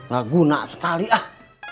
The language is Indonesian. gak guna sekali ah